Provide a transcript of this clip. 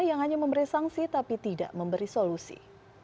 yang hanya memberi sanksi tapi tidak memberi solusi